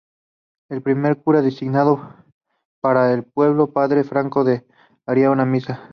El primer cura designado para el pueblo, Padre Franco, daría una misa.